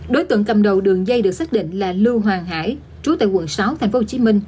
đối tượng cầm đầu đường dây được xác định là lưu hoàng hải trú tại quận sáu tp hcm